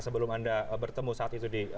sebelum anda bertemu saat itu di